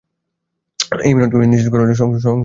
এই মিলনকে নিস্তেজ করো না সংসার-পিঁজরেয় বেঁধে।